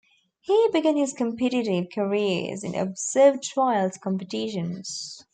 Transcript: He began his competitive careers in observed trials competitions.